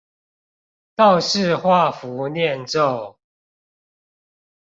道士畫符唸咒